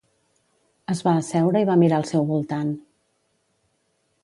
Es va asseure i va mirar al seu voltant.